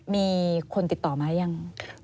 มีคนติดต่อมาหรือยัง